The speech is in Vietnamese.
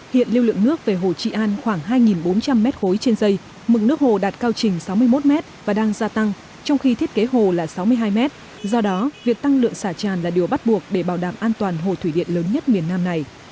hiện lưu lượng nước về hồ trị an khoảng hai bốn trăm linh m ba trên dây mực nước hồ đạt cao trình sáu mươi một m và đang gia tăng trong khi thiết kế hồ là sáu mươi hai m do đó việc tăng lượng xả tràn là điều bắt buộc để bảo đảm an toàn hồ thủy điện lớn nhất miền nam này